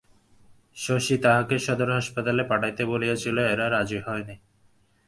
শশী তাহাকে সদর হাসপাতালে পাঠাইতে বলিয়াছিল, এরা রাজি হয় নাই।